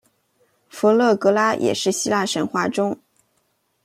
佛勒格拉也是希腊神话中。